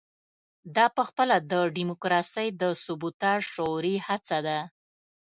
دا پخپله د ډیموکراسۍ د سبوتاژ شعوري هڅه ده.